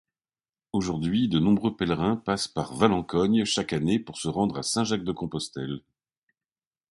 Aujourd'hui, de nombreux pèlerins passent par Valencogne chaque année pour se rendre à Saint-Jacques-de-Compostelle.